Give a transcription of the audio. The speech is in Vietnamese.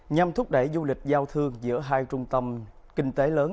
nhằm thúc đẩy du lịch giao thương giữa hai trung tâm kinh tế lớn